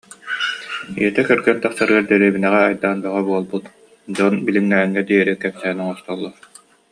Ийэтэ кэргэн тахсарыгар дэриэбинэҕэ айдаан бөҕө буолбут, дьон билиҥҥээҥҥэ диэри кэпсээн оҥостоллор